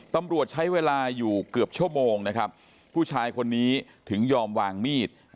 ตำรวจใช้เวลาอยู่เกือบชั่วโมงนะครับผู้ชายคนนี้ถึงยอมวางมีด